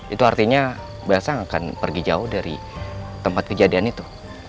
itu artinya bay elsa nggak akan pergi jauh dari tempat kejadian itu